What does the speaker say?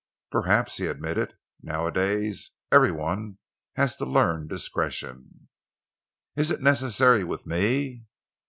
"Perhaps," he admitted. "Nowadays, every one has to learn discretion." "Is it necessary with me?"